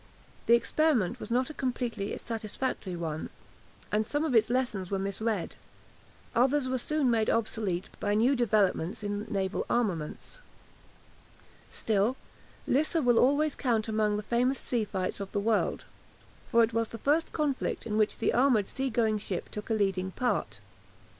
The experiment was not a completely satisfactory one, and some of its lessons were misread. Others were soon made obsolete by new developments in naval armaments. Still, Lissa will always count among the famous sea fights of the world, for it was the first conflict in which the armoured sea going ship took a leading part.